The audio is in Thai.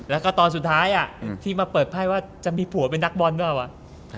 แล้วก็ตอนสุดท้ายที่มาเปิดไพ่ว่าจะมีผัวเป็นนักบอลหรือเปล่าวะ